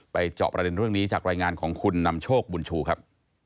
จอบประเด็นเรื่องนี้จากรายงานของคุณนำโชคบุญชูครับ